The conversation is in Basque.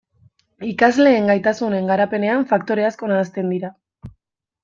Ikasleen gaitasunen garapenean faktore asko nahasten dira.